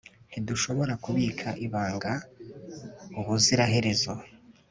ntidushobora kubika ibanga ubuziraherezo